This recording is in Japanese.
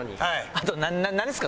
あとなんですか？